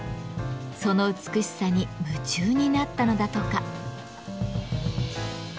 その美しさに夢中になったのだとか。